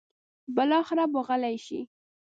بالاخره به غلې شي.